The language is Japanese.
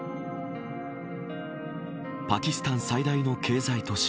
パキスタン最大の経済都市